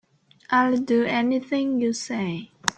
I'll do anything you say.